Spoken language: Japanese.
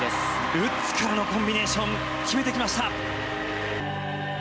ルッツからのコンビネーション決めてきました。